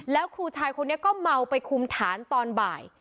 แล้วครูชายคนนี้ก็เมาไปคุมฐานตอนบ่าย